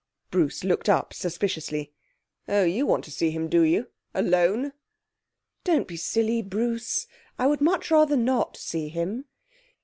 Bruce looked up suspiciously. 'Oh, you want to see him, do you? Alone?' 'Don't be silly, Bruce. I would much rather not see him.'